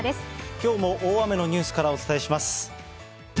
きょうも大雨のニュースからお伝えします。